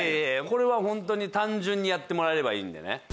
これはホントに単純にやってもらえればいいんでね。